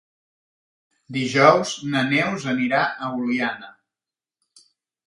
Dijous na Neus anirà a Oliana.